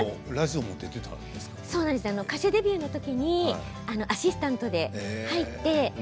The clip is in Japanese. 歌手デビューの時にアシスタントで出ました。